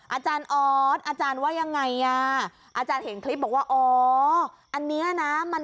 อาจารย์ออสอาจารย์ว่ายังไงอ่ะ